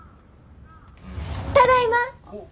ただいま！